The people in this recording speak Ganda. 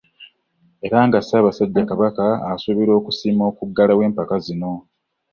Era nga Ssaabasajja kabaka asuubirwa okusiima okuggalawo empaka zino.